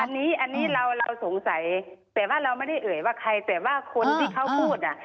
อันนี้อันนี้เราเราสงสัยแต่ว่าเราไม่ได้เอ่ยว่าใครแต่ว่าคนที่เขาพูดอ่ะ